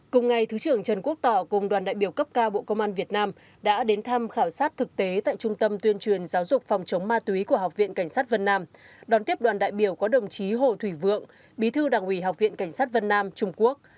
cùng ngày thứ trưởng trần quốc tỏ cùng đoàn đại biểu cấp cao bộ công an việt nam đã đến thăm khảo sát thực tế tại trung tâm tuyên truyền giáo dục phòng chống ma túy của học viện cảnh sát vân nam đón tiếp đoàn đại biểu có đồng chí hồ thủy vượng bí thư đảng ủy học viện cảnh sát vân nam trung quốc